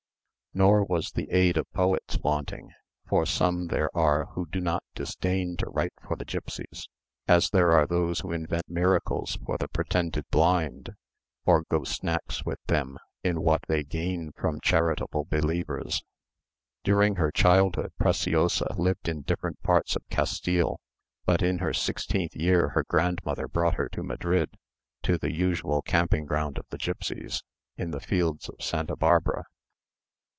Nor was the aid of poets wanting; for some there are who do not disdain to write for the gipsies, as there are those who invent miracles for the pretended blind, and go snacks with them in what they gain from charitable believers. During her childhood, Preciosa lived in different parts of Castile; but in her sixteenth year her grandmother brought her to Madrid, to the usual camping ground of the gipsies, in the fields of Santa Barbara.